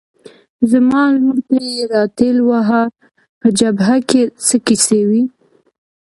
زما لور ته یې را ټېل واهه، په جبهه کې څه کیسې وې؟